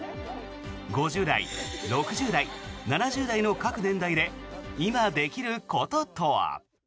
５０代、６０代、７０代の各年代で今、できることとは。